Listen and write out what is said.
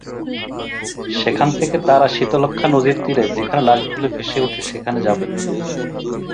সেখান থেকে তাঁরা শীতলক্ষ্যা নদীর তীরে যেখানে লাশগুলো ভেসে ওঠে সেখানে যাবেন।